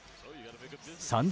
３０